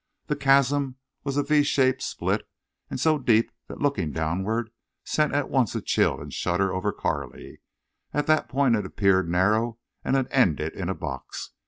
The chasm was a V shaped split and so deep that looking downward sent at once a chill and a shudder over Carley. At that point it appeared narrow and ended in a box.